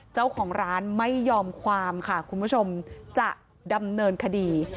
เจ้าของร้านไม่ยอมความค่ะคุณผู้ชมจะดำเนินคดี